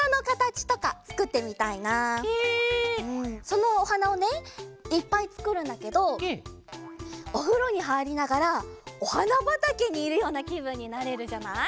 そのおはなをねいっぱいつくるんだけどおふろにはいりながらおはなばたけにいるようなきぶんになれるじゃない？